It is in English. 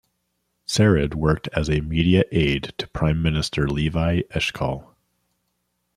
Sarid worked as a media aide to Prime Minister Levi Eshkol.